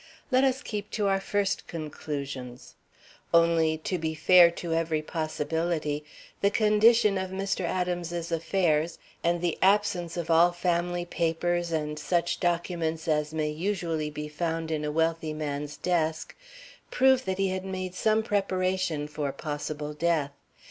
Let us keep to our first conclusions; only to be fair to every possibility the condition of Mr. Adams's affairs and the absence of all family papers and such documents as may usually be found in a wealthy man's desk prove that he had made some preparation for possible death.